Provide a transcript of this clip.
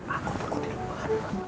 aku berkutir buah